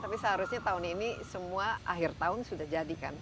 tapi seharusnya tahun ini semua akhir tahun sudah jadi kan